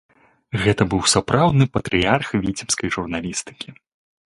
Гэта быў сапраўдны патрыярх віцебскай журналістыкі.